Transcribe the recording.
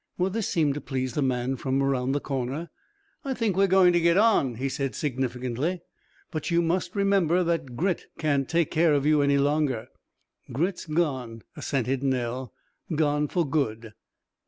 This seemed to please the man from around the corner. "I think we are going to get on," he said significantly. "But you must remember that Grit can't take care of you any longer." "Grit's gone," assented Nell; "gone for good."